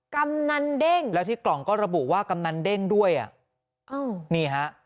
กำนันเด้งแล้วที่กล่องก็ระบุว่ากำนันเด้งด้วยอ่ะอ้าวนี่ฮะ